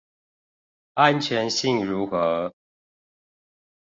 安全性如何